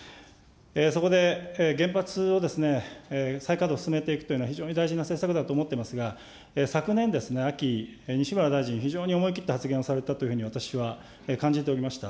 そこで、原発をですね、再稼働を進めていくというのは、非常に大事な政策だと思っていますが、昨年ですね、秋、西村大臣、非常に思い切った発言をされたというふうに、私は感じておりました。